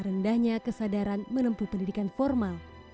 rendahnya kesadaran menempuh pendidikan formal